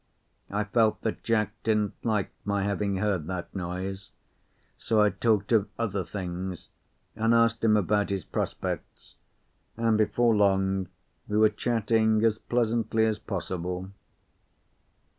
I felt that Jack didn't like my having heard that noise, so I talked of other things, and asked him about his prospects, and before long we were chatting as pleasantly as possible.